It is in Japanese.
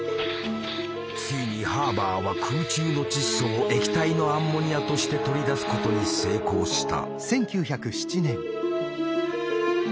ついにハーバーは空中の窒素を液体のアンモニアとして取り出すことに成功した。